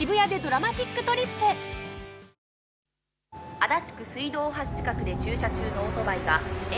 「足立区水道大橋近くで駐車中のオートバイが」